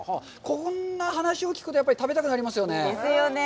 こんな話を聞くと、やっぱり食べたくなりますよね？ですよね？